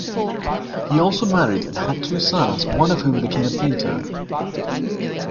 He also married and had two sons, one of whom became a painter.